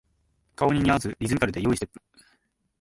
顔に似合わずリズミカルで良いステップ